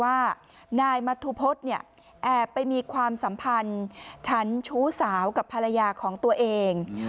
ว่านายมัธุพฤษเนี่ยแอบไปมีความสัมพันธ์ฉันชู้สาวกับภรรยาของตัวเอง